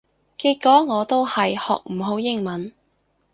結果我都係學唔好英文